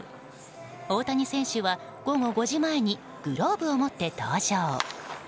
大谷選手は午後５時前にグローブを持って登場。